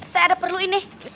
saya ada perlu ini